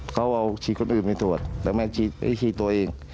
เขาเอาฉีดคนอื่นไปตรวจแล้วมาชี้ตัวเอง